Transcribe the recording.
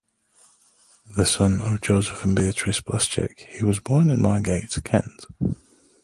The son of Joseph and Beatrice Blascheck, he was born in Margate, Kent.